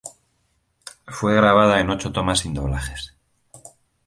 Fue grabada en ocho tomas sin doblajes.